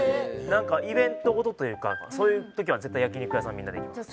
何かイベント事というかそういう時は絶対焼き肉屋さんみんなで行きます。